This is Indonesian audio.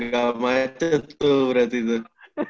gak macet tuh berarti tuh